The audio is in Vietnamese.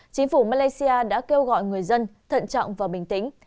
chính phủ malaysia đã kêu gọi người dân thận trọng và bình tĩnh